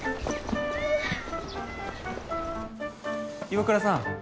岩倉さん。